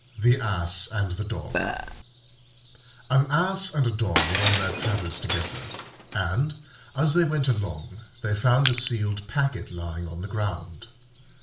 THE ASS AND THE DOG An Ass and a Dog were on their travels together, and, as they went along, they found a sealed packet lying on the ground.